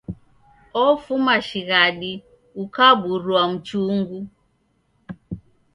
Ofuma shighadi ukaburua mchungu.